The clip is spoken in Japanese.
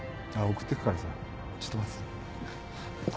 送ってくからさちょっと待ってて。